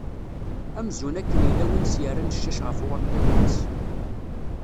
Amzun akken yella win s-yerran ccac ɣef waṭṭiwen-is.